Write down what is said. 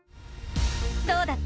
どうだった？